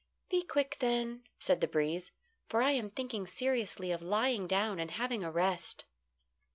"Be quick then," said the breeze, "for I am thinking seriously of lying down and having a rest."